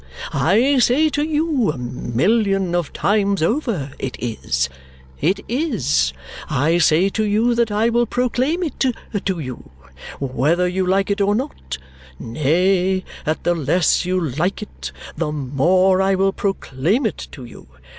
I say to you, a million of times over, it is. It is! I say to you that I will proclaim it to you, whether you like it or not; nay, that the less you like it, the more I will proclaim it to you.